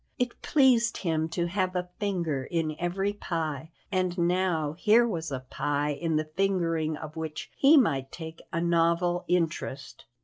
It pleased him to have a finger in every pie, and now here was a pie in the fingering of which he might take a novel interest.